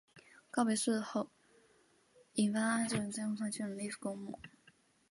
告别式后发引安厝于台北碧潭空军烈士公墓。